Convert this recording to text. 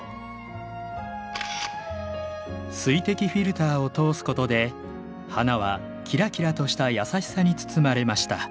水滴フィルターを通すことで花はきらきらとしたやさしさに包まれました。